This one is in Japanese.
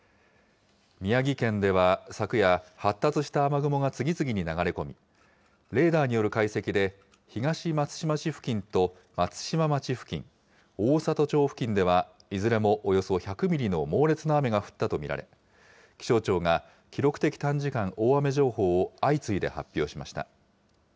宮城県では昨夜、発達した雨雲が次々に流れ込み、レーダーによる解析で、東松島市付近と松島町付近、大郷町付近ではいずれもおよそ１００ミリの猛烈な雨が降ったと見られ、気象庁が記録的短時間大雨情報を相次いで発表しました。